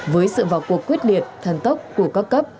với sự vào cuộc quyết liệt thần tốc của các cấp